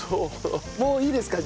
もういいですか？